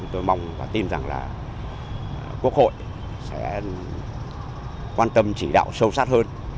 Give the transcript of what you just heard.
tôi mong và tin rằng là quốc hội sẽ quan tâm chỉ đạo sâu sát hơn